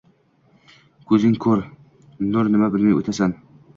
Ko’zing ko’r, nur nima bilmay o’tasan.